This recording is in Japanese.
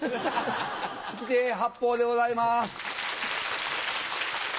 月亭八方でございます。